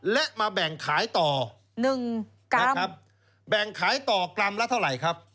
และมาแบ่งขายต่อ๑กรัมนะครับแบ่งขายต่อกรัมละเท่าไหร่ครับ